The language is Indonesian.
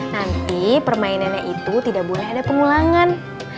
nanti permainannya itu tidak boleh ada pengulangan